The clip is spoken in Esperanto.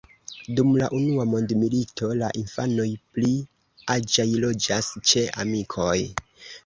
Dum la Unua mondmilito la infanoj pli aĝaj loĝas ĉe amikoj.